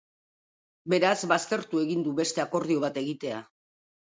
Beraz, baztertu egin du beste akordio bat egitea.